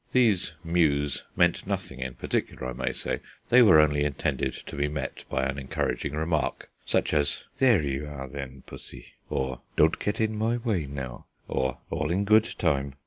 These mews meant nothing in particular, I may say; they were only intended to be met by an encouraging remark, such as "There you are, then, pussy," or "Don't get in my way, now," or "All in good time."